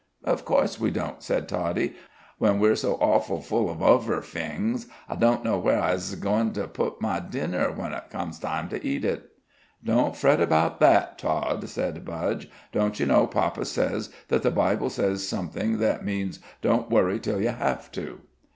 "Of course we don't," said Toddie, "when we's so awful full of uvver fings. I don't know where I'zhe goin' to put my dinner when it comes time to eat it." "Don't fret about that, Tod," said Budge. "Don't you know papa says that the Bible says something that means 'don't worry till you have to.'"